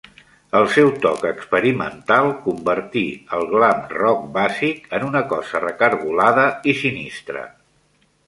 El seu toc experimental convertir el glam rock bàsic en una cosa recargolada i sinistre.